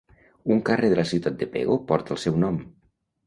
Un carrer de la ciutat de Pego porta el seu nom.